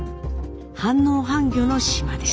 半農半漁の島です。